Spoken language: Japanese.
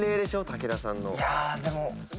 武田さんの。